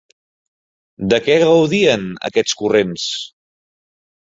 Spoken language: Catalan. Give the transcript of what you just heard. De què gaudien aquests corrents?